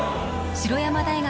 白山大学